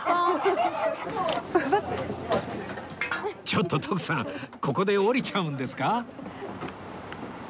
ちょっと徳さんここで降りちゃうんですか？